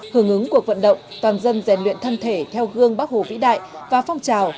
hưởng ứng cuộc vận động toàn dân rèn luyện thân thể theo gương bác hồ vĩ đại và phong trào